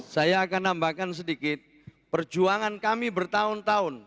saya akan nambahkan sedikit perjuangan kami bertahun tahun